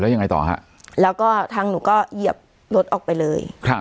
แล้วยังไงต่อค่ะแล้วก็ทางหนูก็เหยียบรถออกไปเลย